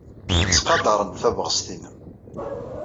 Ttqadarent tabɣest-nnem.